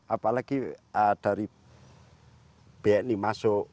apalagi dari bni masuk